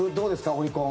オリコン。